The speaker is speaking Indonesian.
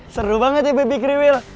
seru banget ya baby kriwil